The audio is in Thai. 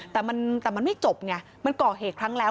แต่มันไม่จบไงมันก่อเหตุครั้งแล้ว